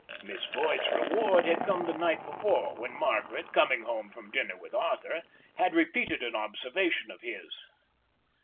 Miss Boyd's reward had come the night before, when Margaret, coming home from dinner with Arthur, had repeated an observation of his.